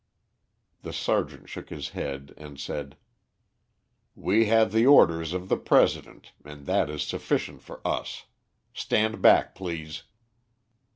The sergeant shook his head and said "We have the orders of the President, and that is sufficient for us. Stand back, please!"